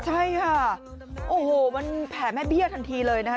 ใช่ค่ะโอ้โหมันแผลแม่เบี้ยทันทีเลยนะคะ